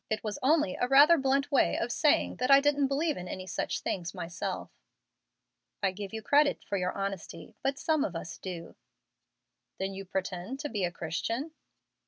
It was only a rather blunt way of saying that I didn't believe in any such things myself." "I give you credit for your honesty, but some of us do." "Then you pretend to be a Christian?"